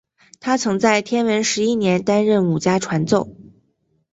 他曾在天文十一年担任武家传奏。